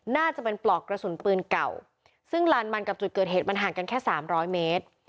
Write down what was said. น่าจะเป็นปลอกกระสุนปืนเก่าซึ่งลานมันกับจุดเกิดเหตุมันห่างกันแค่สามร้อยเมตร